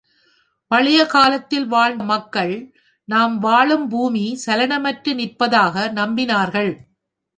பழைய காலத்தில் வாழ்த்த மக்கள், நாம் வாழும் பூமி சலனமற்று நிற்பதாக நம்பினார்கள்.